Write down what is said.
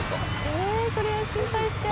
えこれは心配しちゃう